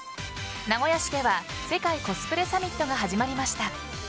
名古屋市では世界コスプレサミットが始まりました。